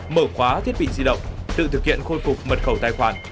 mở khóa thiết bị di động tự thực hiện khôi phục mật khẩu tài khoản